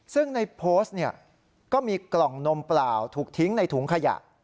ซึ่งในโพสต์เนี่ยก็มีกล่องนมเปล่าถูกทิ้งในถุงขยะ